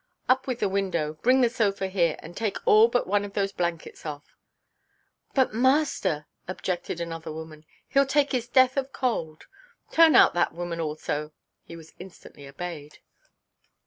"Up with the window. Bring the sofa here; and take all but one of those blankets off." "But, master," objected another woman, "heʼll take his death of cold." "Turn out that woman also!" He was instantly obeyed.